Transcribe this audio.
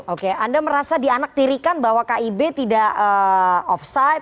oke anda merasa dianaktirikan bahwa kib tidak offside